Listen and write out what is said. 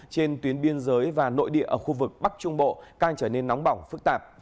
trên tuyến biên giới và nội địa ở khu vực bắc trung bộ càng trở nên nóng bỏng phức tạp